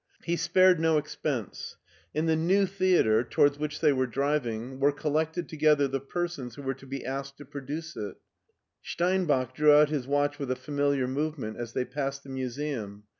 He spared no expense. In the New Theater, towards which they were driving, were collected together the persons who were to be asked to produce it Steinbach drew out his watch with a familiar movement as they passed the Museum.